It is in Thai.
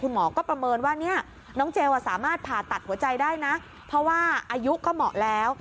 หมอก็ประเมินว่าเนี่ยน้องเจลสามารถผ่าตัดหัวใจได้นะเพราะว่าอายุก็เหมาะแล้ว